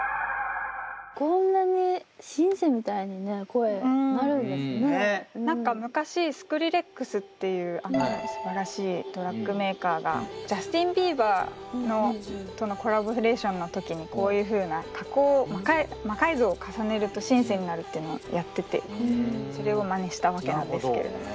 こんなに何か昔Ｓｋｒｉｌｌｅｘっていうすばらしいトラックメーカーがジャスティン・ビーバーとのコラボレーションの時にこういうふうな加工を魔改造を重ねるとシンセになるっていうのをやっててそれをマネしたわけなんですけれども。